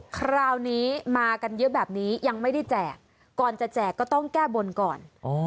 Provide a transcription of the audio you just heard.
คราวนี้มากันเยอะแบบนี้ยังไม่ได้แจกก่อนจะแจกก็ต้องแก้บนก่อน